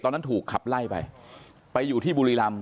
ตอนนั้นถูกขับไล่ไปไปอยู่ที่บุรีรำ